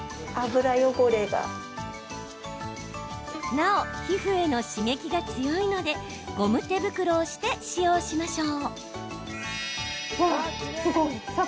なお、皮膚への刺激が強いのでゴム手袋をして使用しましょう。